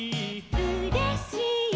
「うれしい！」